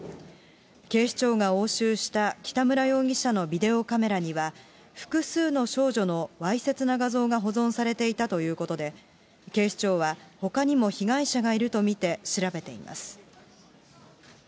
警視庁が押収した北村容疑者のビデオカメラには、複数の少女のわいせつな画像が保存されていたということで、警視庁はほかにも被害者がいると見て調べています。